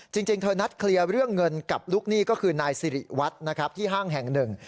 จริงเธอนัดเคลียร์เรื่องเงินกับลูกหนี้ก็คือนายสิริวัตรนะครับที่ห้างแห่งหนึ่ง